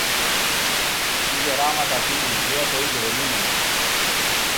Τι γεράματα, τι ηλικία, το ίδιο δεν είναι;